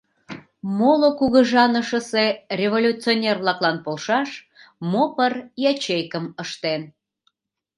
Моло кугыжанышысе революционер-влаклан полшаш МОПР ячейкым ыштен.